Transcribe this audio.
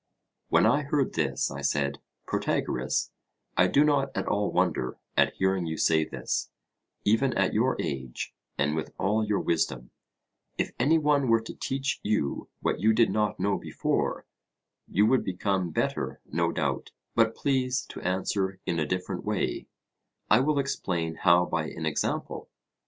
When I heard this, I said: Protagoras, I do not at all wonder at hearing you say this; even at your age, and with all your wisdom, if any one were to teach you what you did not know before, you would become better no doubt: but please to answer in a different way I will explain how by an example.